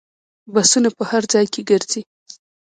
بسونه په هر ځای کې ګرځي.